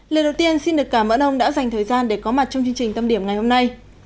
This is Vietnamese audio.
lời đầu tiên xin được cảm ơn ông đã dành thời gian để có mặt trong chương trình tâm điểm ngày hôm nay